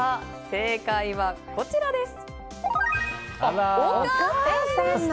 正解はこちらです。